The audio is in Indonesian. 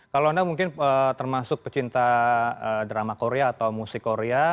kalau anda mungkin termasuk pecinta drama korea atau musik korea